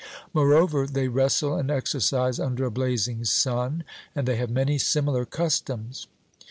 Moreover they wrestle and exercise under a blazing sun, and they have many similar customs.'